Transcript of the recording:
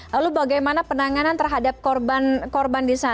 lalu bagaimana penanganan terhadap korban korban di sana